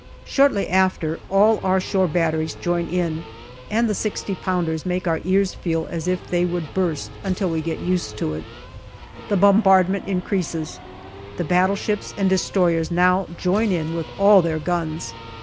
Shortly after, all our shore batteries join in, and the 6o pounders make our ears feel as if they would burst until we get used to it. The bombardment increases ; the battleships and destroyers now join in with all their guns.